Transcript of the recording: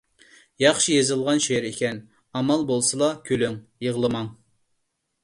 ياخشى يېزىلغان شېئىر ئىكەن. ئامال بولسىلا كۈلۈڭ، يىغلىماڭ!